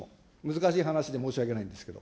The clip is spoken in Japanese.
難しい話で申し訳ないんですけど。